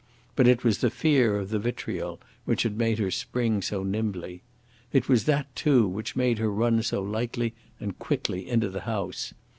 But it was the fear of the vitriol which had made her spring so nimbly. It was that, too, which made her run so lightly and quickly into the house.